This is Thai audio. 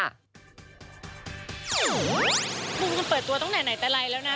มุมกันเปิดตัวตั้งแต่ไหนแต่ไรแล้วนะ